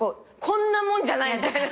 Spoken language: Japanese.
こんなもんじゃないみたいな。